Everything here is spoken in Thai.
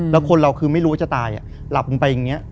แล้วคนเราคือไม่รู้ว่าจะตายหลับลงไปอย่างนี้